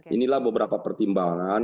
ini adalah beberapa pertimbangan